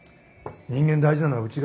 人間大事なのは内側だ。